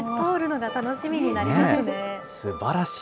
すばらしい。